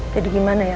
jadi gimana ya